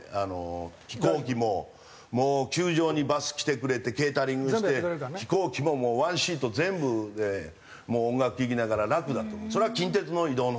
飛行機ももう球場にバス来てくれてケータリングして飛行機も１シート全部で音楽聴きながら楽だと。